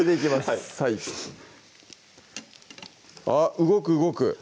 はいあっ動く動く